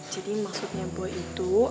jadi maksudnya boy itu